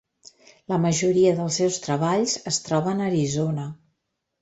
La majoria dels seus treballs es troben a Arizona.